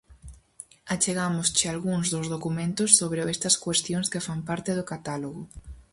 Achegámosche algúns dos documentos sobre estas cuestións que fan parte do catálogo.